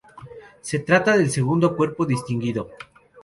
Se trata del segundo cuerpo distinguido.